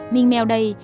mình mèo đây